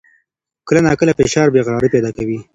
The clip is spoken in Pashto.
کله ناکله فشار بې قراري پیدا کوي.